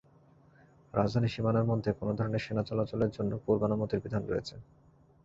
রাজধানীর সীমানার মধ্যে কোনো ধরনের সেনা চলাচলের জন্য পূর্বানুমতির বিধান রয়েছে।